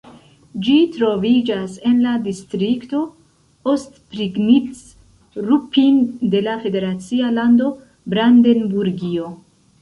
Ĝi troviĝas en la distrikto Ostprignitz-Ruppin de la federacia lando Brandenburgio.